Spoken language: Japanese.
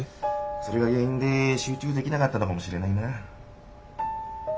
それが原因で集中できなかったのかもしれないな。